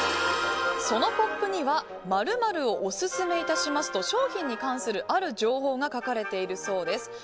そのポップには○○○○をオススメしますと商品に関するある情報が書かれているそうです。